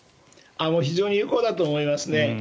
非常に有効だと思いますね。